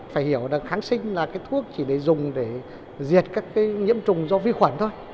phải hiểu được kháng sinh là thuốc chỉ để dùng để diệt các nhiễm trùng do vi khuẩn thôi